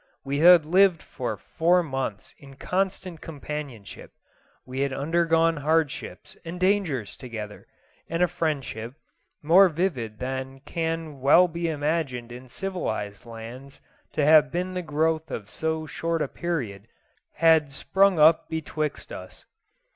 We had lived for four months in constant companionship we had undergone hardships and dangers together, and a friendship, more vivid than can well be imagined in civilized lands to have been the growth of so short a period, had sprung up betwixt us.